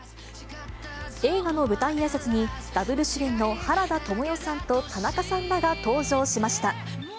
映画の舞台あいさつに、ダブル主演の原田知世さんと田中さんらが登場しました。